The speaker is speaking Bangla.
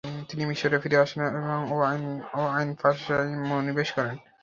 তিনি মিশরে ফিরে আসেন ও আইন পেশায় মনোনিবেশ করেন।